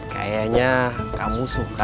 saya pamit dulu ya